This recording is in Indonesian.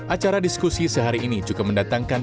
acara diskusi sehari ini juga mendatangkan